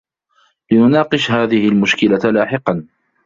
لنناقش هذه المشكلة لاحقاً.